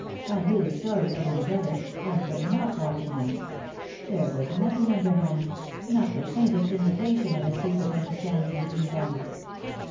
T knew the story from my brother, and couldn't help watching them — there was nothing underhand — not the faintest indication of a secret understanding between them.''